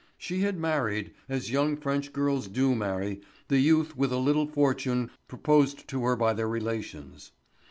She had married, as young French girls do marry, the youth with a little fortune proposed to her by their relations.